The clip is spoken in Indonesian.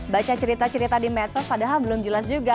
baca cerita cerita di medsos padahal belum jelas juga